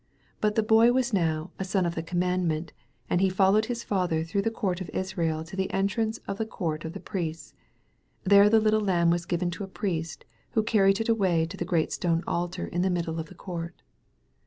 But the Boy was now *'a son of the Command ment," and he followed his father through the Court of Israel to the entrance of the Court of the Priests. There the little lamb was given to a priest, who carried it away to the great stone altar in the middle of the court.